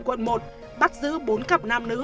quận một bắt giữ bốn cặp nam nữ